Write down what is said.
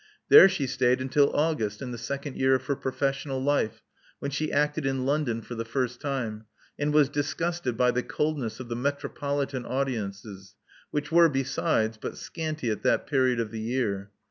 There she stayed until August in the second year of her professional life, when she acted in London for the first time, and was disgusted by the coldness of the metro politan audiences, which were, besides, but scanty at that period of the year.